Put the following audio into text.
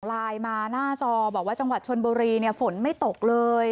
ลายมาหน้าจอบอกว่าจังหวัดชนบรีเนี่ยฝนไม่ตกเลย